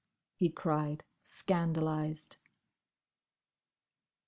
he cried, scandalised.